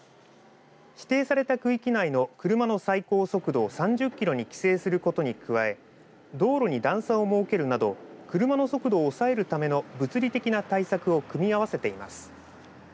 指定された区域内の車の最高速度を３０キロに規制することに加え道路に段差を設けるなど車の速度を抑えるための物理的な対策を組み合わせています。